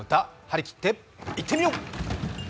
張り切っていってみよう。